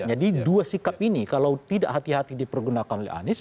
jadi dua sikap ini kalau tidak hati hati dipergunakan oleh anies